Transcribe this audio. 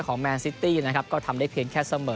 แมนซิตี้นะครับก็ทำได้เพียงแค่เสมอ